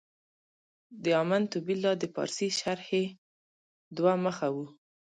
د امنت بالله د پارسي شرحې دوه مخه و.